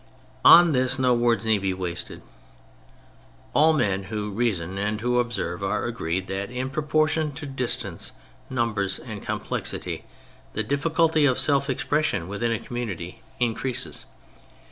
On this no words need be wasted. All men who reason and who observe are agreed that, in proportion to distance, numbers, and com plexity, the difficulty of self expression within a community increases.